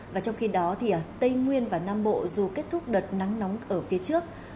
và trong khi đó thì tây nguyên và nam bộ dù kết thúc đợt nắng nóng ở phía trước